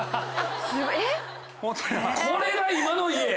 これが今の家？